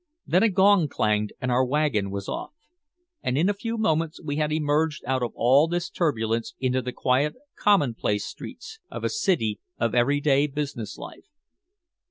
Then a gong clanged and our wagon was off. And in a few moments we had emerged out of all this turbulence into the quiet commonplace streets of a city of every day business life.